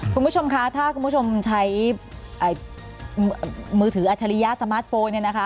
คุณผู้ชมคะถ้าคุณผู้ชมใช้มือถืออัจฉริยะสมาร์ทโฟนเนี่ยนะคะ